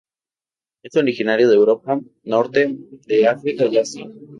Es originario de Europa, Norte de África y Asia.